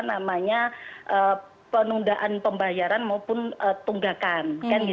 namanya penundaan pembayaran maupun tunggakan